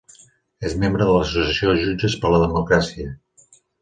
És membre de l'associació Jutges per la Democràcia.